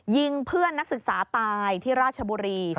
ยิงเพื่อนนักศึกษาตายที่ราชบุรี